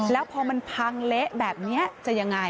แล้วพอมันพังเละแบบนี้จะยังไง